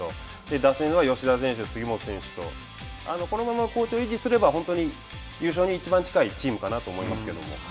打線は吉田選手、杉本選手とこのまま好調を維持すれば本当に優勝に一番近いチームかなと思いますけれども。